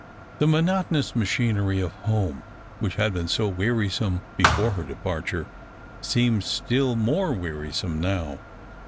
The monotonous machinery of home, which had been so wearisome before her departure, seemed still more weari some now.